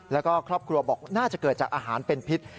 แล้วก็ครอบครัวบอกน่าจะเกิดจากอาหารเป็นพิษ